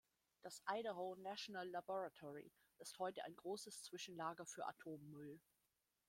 Das Idaho National Laboratory ist heute ein großes Zwischenlager für Atommüll.